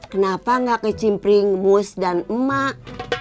kenapa gak kecimpring mus dan emak